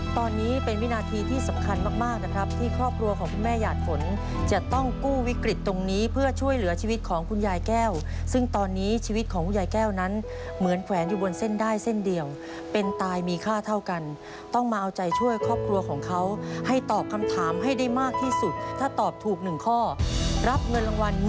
ตอนนี้เป็นวินาทีที่สำคัญมากนะครับที่ครอบครัวของคุณแม่หยาดฝนจะต้องกู้วิกฤตตรงนี้เพื่อช่วยเหลือชีวิตของคุณยายแก้วซึ่งตอนนี้ชีวิตของคุณยายแก้วนั้นเหมือนแขวนอยู่บนเส้นได้เส้นเดียวเป็นตายมีค่าเท่ากันต้องมาเอาใจช่วยครอบครัวของเขาให้ตอบคำถามให้ได้มากที่สุดถ้าตอบถูกหนึ่งข้อรับเงินรางวัล